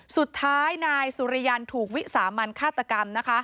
สุดท้ายนายสุริยันถูกวิสามันฆาตกรรมนะคะ